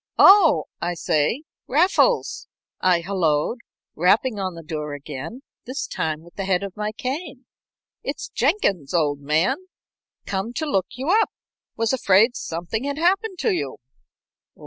"Oh, I say, Raffles," I hallooed, rapping on the door again, this time with the head of my cane. "It's Jenkins, old man. Came to look you up. Was afraid something had happened to you."